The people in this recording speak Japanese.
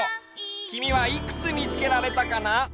きみはいくつみつけられたかな？